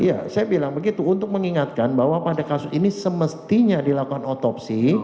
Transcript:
iya saya bilang begitu untuk mengingatkan bahwa pada kasus ini semestinya dilakukan otopsi